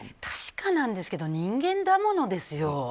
確かなんですが人間だものですもん。